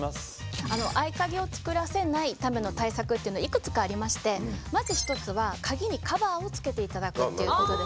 合鍵を作らせないための対策っていうのはいくつかありましてまず一つは鍵にカバーをつけていただくっていうことですね。